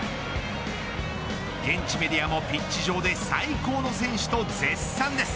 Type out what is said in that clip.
現地メディアもピッチ上で最高の選手と絶賛です。